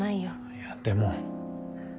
いやでも。